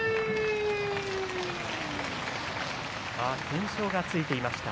懸賞がついていました。